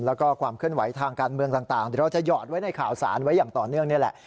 แล้วก็ความเคลื่อนไหวทางการเมืองต่างเดี๋ยวเราจะหอดไว้ในข่าวสารไว้อย่างต่อเนื่องนี่แหละ